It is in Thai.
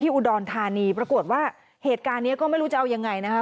อุดรธานีปรากฏว่าเหตุการณ์นี้ก็ไม่รู้จะเอายังไงนะคะ